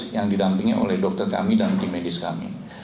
yang didampingi oleh dokter kami dan tim medis kami